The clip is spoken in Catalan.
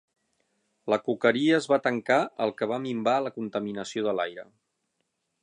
La coqueria es va tancar el que va minvar la contaminació de l'aire.